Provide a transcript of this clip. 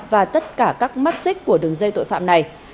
và tất cả các mắt xích của đường dây tội phạm này